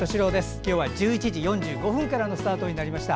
今日は１１時４５分からのスタートになりました。